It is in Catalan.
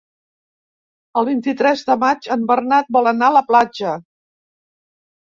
El vint-i-tres de maig en Bernat vol anar a la platja.